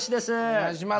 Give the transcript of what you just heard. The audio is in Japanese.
お願いします。